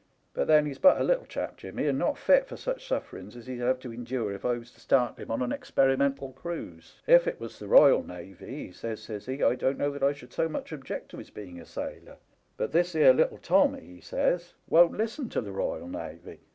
But then he's but a little chap, Jimmy, and not fit for such sufferings as he'd have to endure if I was to start him ou an experimental cruise. If it was the Eoyal Navy,' he says, says he, ' I dunno that I should so much object to his being a sailor, but this 'ere little Tommy,' he says, ' won't listen to the Royal Navy.